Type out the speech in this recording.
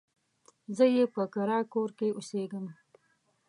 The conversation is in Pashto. زه يې په کرايه کور کې اوسېږم.